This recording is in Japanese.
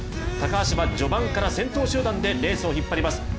高橋は序盤から先頭集団でレースを引っ張ります。